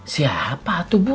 siapa tuh bu